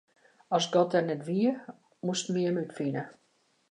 As God der net wie, moasten wy Him útfine.